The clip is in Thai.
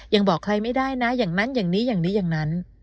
บอกใครไม่ได้นะอย่างนั้นอย่างนี้อย่างนี้อย่างนั้น